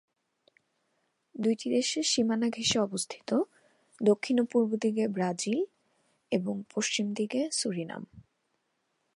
দুইটি দেশের সীমানা ঘেষে অবস্থিত: দক্ষিণ ও পূর্ব দিকে ব্রাজিল এবং পশ্চিম দিকে সুরিনাম।